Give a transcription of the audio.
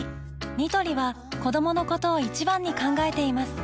ニトリは子どものことを一番に考えています